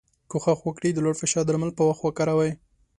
کوښښ وکړی د لوړ فشار درمل په وخت وکاروی.